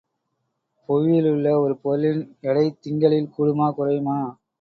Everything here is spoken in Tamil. புவியிலுள்ள ஒரு பொருளின் எடை திங்களில் கூடுமா குறையுமா?